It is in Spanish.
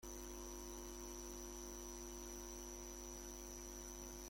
Oasis le dio vida nuevamente al rock'n'roll".